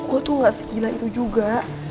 gue tuh gak segila itu juga